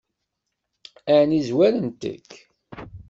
Ɛni zwarent-k?